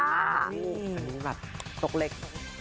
อันนี้แบบตกเล็ก